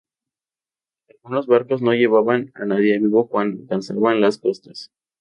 Algunos barcos no llevaban a nadie vivo cuando alcanzaban las costas.